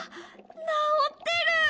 なおってる！